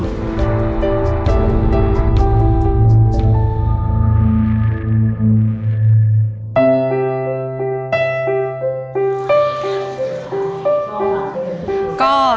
จำนวนอยากเกลียดสินใจ